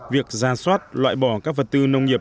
việc ra soát loại bỏ các vật tư nông nghiệp